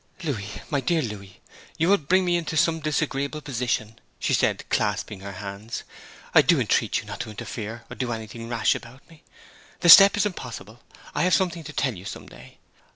'Louis my dear Louis you will bring me into some disagreeable position!' said she, clasping her hands. 'I do entreat you not to interfere or do anything rash about me. The step is impossible. I have something to tell you some day.